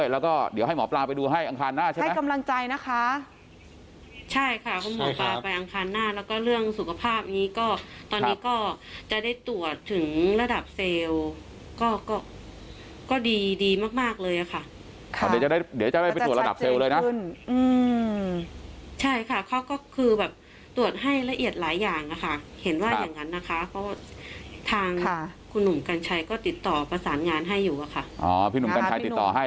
แล้วก็เรื่องสุขภาพนี้ก็ตอนนี้ก็จะได้ตรวจถึงระดับเซลล์ก็ก็ก็ดีดีมากมากเลยอ่ะค่ะค่ะเดี๋ยวจะได้เดี๋ยวจะได้ไปตรวจระดับเซลล์เลยนะอืมใช่ค่ะเขาก็คือแบบตรวจให้ละเอียดหลายอย่างอ่ะค่ะเห็นว่าอย่างนั้นนะคะเพราะทางคุณหนุ่มกัญชัยก็ติดต่อประสานงานให้อยู่อ่ะค่ะอ๋อพี่หนุ่มกัญชัยติดต่อให